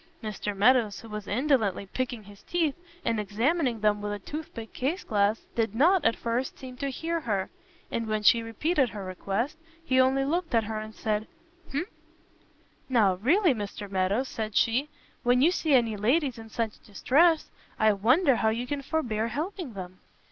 Mr Meadows, who was indolently picking his teeth, and examining them with a tooth pick case glass, did not, at first, seem to hear her; and when she repeated her request, he only looked at her, and said "umph?" "Now really, Mr Meadows," said she, "when you see any ladies in such distress, I wonder how you can forbear helping them."